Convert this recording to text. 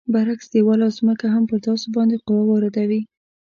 برعکس دیوال او ځمکه هم پر تاسو باندې قوه واردوي.